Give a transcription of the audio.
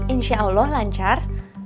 insya allah lancar